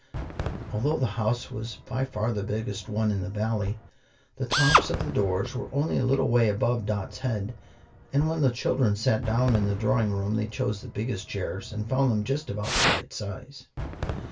Although the house was by far the biggest one in the Valley, the tops of the doors were only a little way above Dot's head, and when the children sat down in the drawing room they chose the biggest chairs, and found them just about the right size.